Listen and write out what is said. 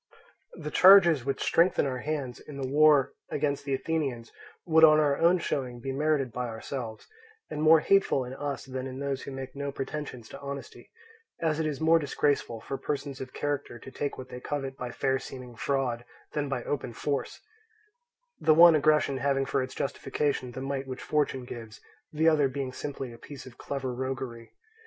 The charges which strengthen our hands in the war against the Athenians would on our own showing be merited by ourselves, and more hateful in us than in those who make no pretensions to honesty; as it is more disgraceful for persons of character to take what they covet by fair seeming fraud than by open force; the one aggression having for its justification the might which fortune gives, the other being simply a piece of clever roguery.